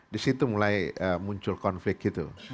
disitu mulai muncul konflik gitu